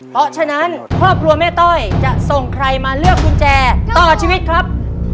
เพราะฉะนั้นครอบครัวแม่ต้อยจะส่งใครมาเลือกกุญแจต่อชีวิตครับ